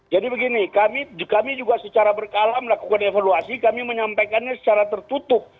jadi begini kami juga secara berkala melakukan evaluasi kami menyampaikannya secara tertutup